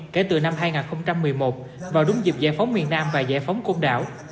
kể từ năm hai nghìn một mươi một vào đúng dịp giải phóng miền nam và giải phóng côn đảo